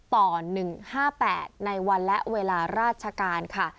๐๕๕๕๖๑๒๗๐๒ต่อ๑๕๘ในวันและเวลาราชการค่ะ